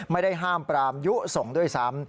ไม่ได้ห้ามปรามยุส่งด้วยซ้ำ